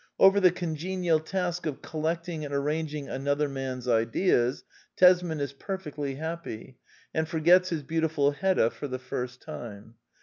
Over the congenial task of collecting and arranging another man^s ideas Tesman is per fectly happy, and forgets his beautiful Hedda for the first time.